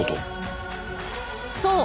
そう！